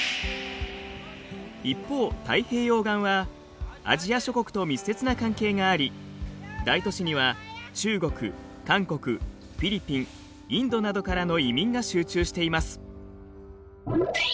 一方太平洋岸はアジア諸国と密接な関係があり大都市には中国韓国フィリピンインドなどからの移民が集中しています。